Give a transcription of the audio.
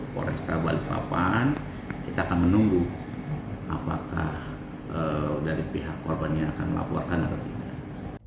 polresta balikpapan kita akan menunggu apakah dari pihak korban yang akan melaporkan atau tidak